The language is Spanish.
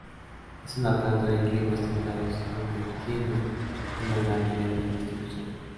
Es una planta de climas templados, aunque tiene una gran área de distribución.